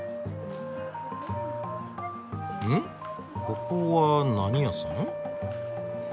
ここは何屋さん？